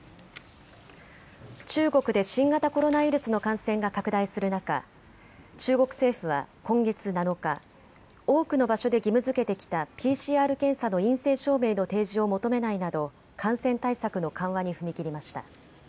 中国で新型コロナウイルスの感染が拡大する中、中国政府は今月７日、多くの場所で義務づけてきたＰＣＲ検査の陰性証明の提示を求めないなど感染対策の緩和に踏み切りました。